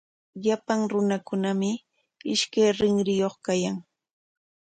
Llapan runakunami ishkay rinriyuq kayan.